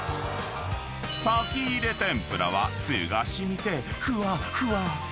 ［先入れ天ぷらはつゆが染みてふわっふわ］